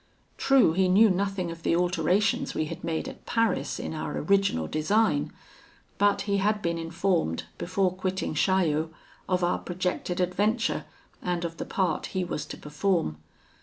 True, he knew nothing of the alterations we had made at Paris in our original design; but he had been informed, before quitting Chaillot, of our projected adventure, and of the part he was to perform.